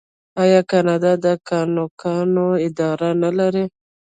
آیا کاناډا د کانونو اداره نلري؟